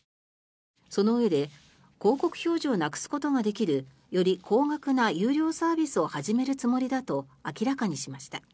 そのうえで広告表示をなくすことができるより高額な有料サービスを始めるつもりだと明らかにしました。